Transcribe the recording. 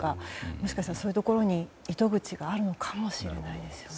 もしかしたらそういうところに糸口があるのかもしれないですよね。